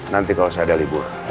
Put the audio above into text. nanti kalau saya ada libur